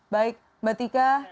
baik mbak tika